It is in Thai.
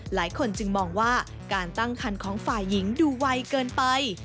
หลายคนจึงมองว่าการตั้งคันของฝ่ายหญิงดูไวเกินไป